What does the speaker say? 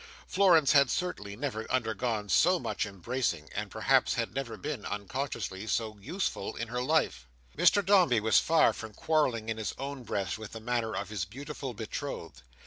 Florence had certainly never undergone so much embracing, and perhaps had never been, unconsciously, so useful in her life. Mr Dombey was far from quarrelling, in his own breast, with the manner of his beautiful betrothed.